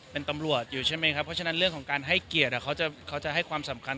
เป็นตำรวจอยู่ใช่ไหมครับเพราะฉะนั้นเรื่องของการให้เกียรติเขาจะให้ความสำคัญ